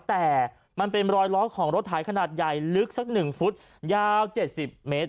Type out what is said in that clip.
แต่มันเป็นรอยล้อของรถไถขนาดใหญ่ลึกสัก๑ฟุตยาว๗๐เมตร